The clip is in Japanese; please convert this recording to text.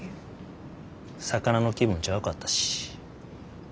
魚の気分ちゃうかったし。